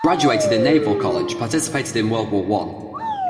Graduated in naval college, participated in World War One.